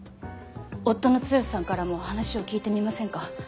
夫の剛さんからも話を聞いてみませんか？